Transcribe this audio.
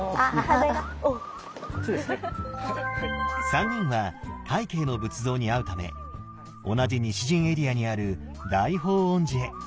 三人は快慶の仏像に会うため同じ西陣エリアにある大報恩寺へ。